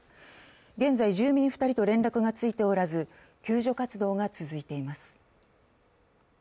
現在住民２人と連絡がついておらず救助活動が続いています。